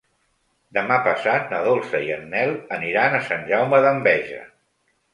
Demà passat na Dolça i en Nel aniran a Sant Jaume d'Enveja.